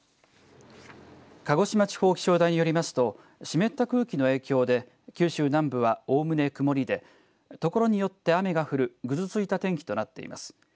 鹿児島地方気象台によりますと湿った空気の影響で九州南部はおおむね曇りで所によって雨が降るぐずついた天気となっています。